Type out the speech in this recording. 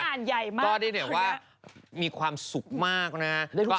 คุณแม่อ่านใหญ่มากคือเนี่ยมีความสุขมากนะครับ